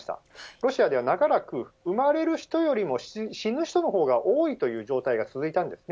ロシアでは長らく生まれる人よりも死ぬ人の方が多いという状態が続いたんです。